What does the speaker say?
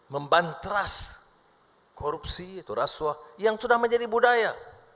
membantras korupsi atau rasuah yang sudah menjadi budaya